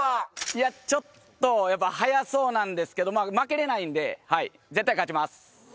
いやちょっとやっぱ速そうなんですけど負けれないんで絶対勝ちます。